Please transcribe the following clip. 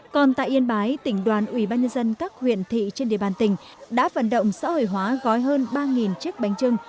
còn tại yên bái tỉnh đoàn ủy ban nhân dân các huyện thị trên địa bàn tỉnh đã vận động xã hội hóa gói hơn ba chiếc bánh trưng